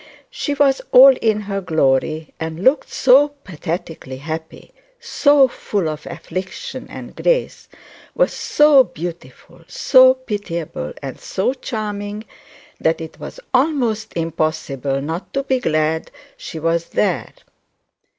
She was all in her glory, and looked so pathetically happy, so full of affliction and grace, was so beautiful, so pitiable, and so charming, that it was almost impossible not to be glad she was there.